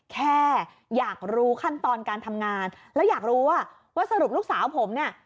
แค่อยากรู้ขั้นตอนการทำงานแล้วอยากรู้ว่าสรุปลูกสาวผมเนี่ย